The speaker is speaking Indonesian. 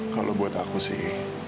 kalau buat aku sih